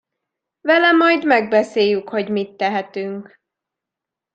Vele majd megbeszéljük, hogy mit tehetünk.